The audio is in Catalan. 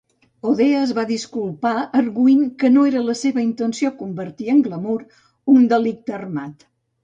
O'Dea es va disculpar argüint que no era la seva intenció convertir en glamur un delicte armat.